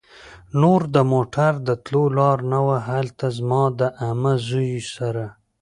نور د موټر د تلو لار نه وه. هلته زما د عمه زوی سره